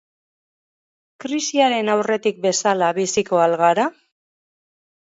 Krisiaren aurretik bezala biziko al gara?